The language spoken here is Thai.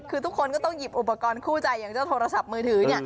คือทุกคนก็ต้องหยิบอุปกรณ์คู่ใจอย่างเจ้าโทรศัพท์มือถือ